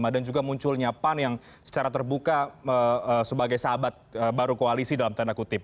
dan juga munculnya pan yang secara terbuka sebagai sahabat baru koalisi dalam tanda kutip